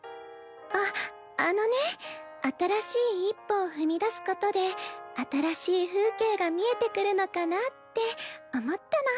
あっあのね新しい一歩を踏み出すことで新しい風景が見えてくるのかなって思ったの。